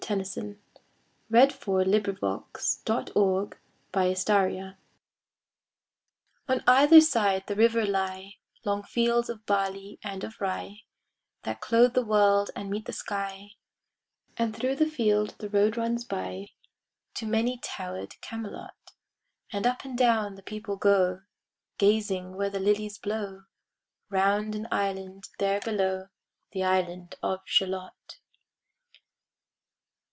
THE LADY OF SHALOTT Alfred Lord Tennyson PART I On either side the river lie Long fields of barley and of rye, That clothe the wold and meet the sky; And thro' the field the road runs by To many tower'd Camelot; And up and down the people go, Gazing where the lilies blow Round an island there below, The island of Shalott.